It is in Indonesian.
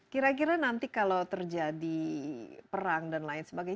kira kira nanti kalau terjadi perang dan lain sebagainya